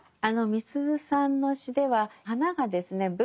あのみすゞさんの詩では花がですね